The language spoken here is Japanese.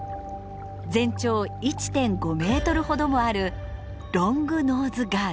全長１．５メートルほどもあるロングノーズガーです。